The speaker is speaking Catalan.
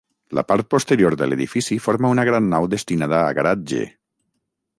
La part posterior de l'edifici forma una gran nau destinada a garatge.